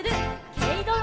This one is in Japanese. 「けいどろ」